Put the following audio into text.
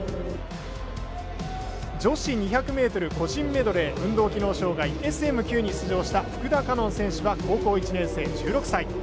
女子２００ｍ個人メドレー運動機能障がいＳＭ９に出場した福田果音選手は高校１年生、１６歳。